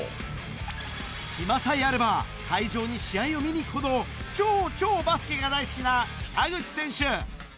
暇さえあれば、会場に試合に見に行くほどの超超バスケが大好きな北口選手。